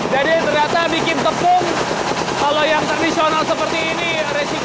jadi ternyata bikin tepung kalau yang tradisional seperti ini resikonya lumayan tinggi